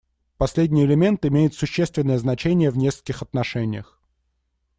Последний элемент имеет существенное значение в нескольких отношениях.